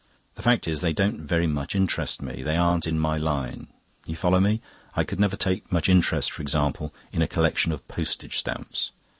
The fact is, they don't very much interest me. They're aren't in my line. You follow me? I could never take much interest, for example, in a collection of postage stamps.